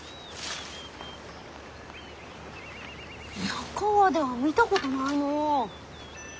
佐川では見たことないのう。